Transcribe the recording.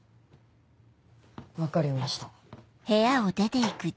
分かりました。